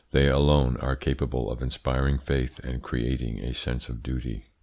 They alone are capable of inspiring faith and creating a sense of duty.